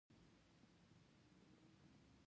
فیوډالانو په خپله په ځمکو کې کار نشو کولی.